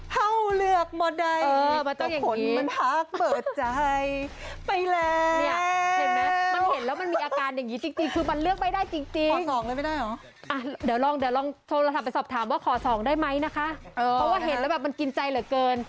เฮ้าเลือกหมดได้